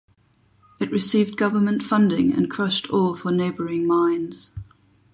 It received Government funding and crushed ore for neighbouring mines.